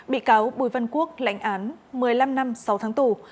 bị cáo bùi văn quốc lãnh án một mươi năm năm sáu tháng tù